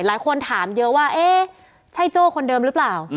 หลายคนถามเยอะว่าเอ๊ะใช่โจ้คนเดิมหรือเปล่า